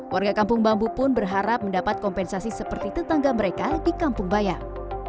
warga kampung bambu pun berharap mendapat kompensasi seperti tetangga mereka di kampung bayam